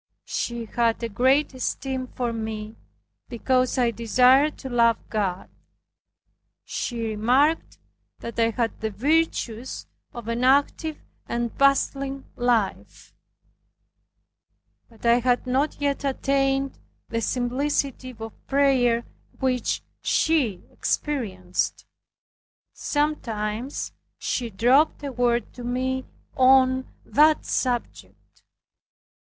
She had a great esteem for me, because I desired to love God. She remarked that I had the virtues of an active and bustling life; but I had not yet attained the simplicity of prayer which she experienced. Sometimes she dropped a word to me on that subject.